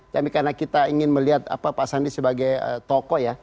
karena kita ingin melihat pak sandi sebagai tokoh ya